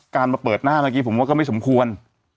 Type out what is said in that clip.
มาเปิดหน้าเมื่อกี้ผมว่าก็ไม่สมควร